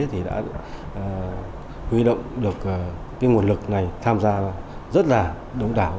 thì đã huy động được cái nguồn lực này tham gia rất là đông đảo